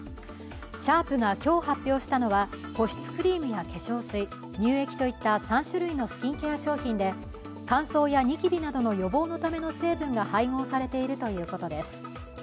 シャープが今日発表したのは保湿クリームや化粧水、乳液といった３種類のスキンケア商品で、乾燥や、にきびなどの予防のための成分が配合されているということです。